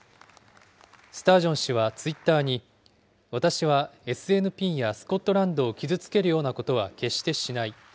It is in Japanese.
スタージョン氏はツイッターに、私はＳＮＰやスコットランドを傷つけるようなことは決してしない。